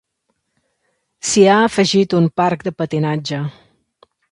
S'hi ha afegit un parc de patinatge.